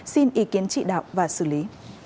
xin ý kiến chỉ đạo và xử lý